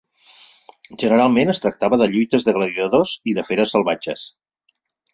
Generalment es tractava de lluites de gladiadors i de feres salvatges.